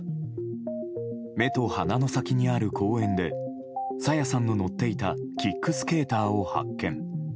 目と鼻の先にある公園で朝芽さんの乗っていたキックスケーターを発見。